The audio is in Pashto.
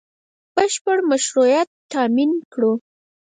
بشپړ مشروعیت تامین کړو